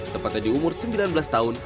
tepatnya di umur sembilan belas tahun